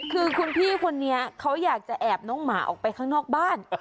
คือคุณพี่คนนี้เขาอยากจะแอบน้องหมาออกไปข้างนอกบ้าน